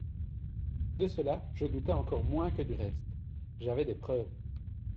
De cela, je doutais encore moins que du reste, j'avais des preuves.